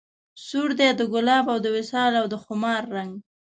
سور دی د ګلاب او د وصال او د خمار رنګ